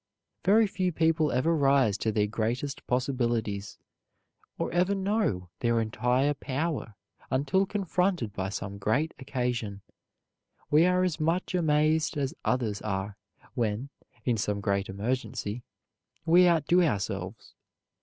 Very few people ever rise to their greatest possibilities or ever know their entire power unless confronted by some great occasion. We are as much amazed as others are when, in some great emergency, we out do ourselves.